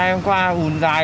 hai hôm qua hùn dài